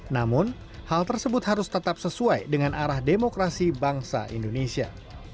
namun hal tersebut harus tetap sesuai dengan arah demokrasi bangsa indonesia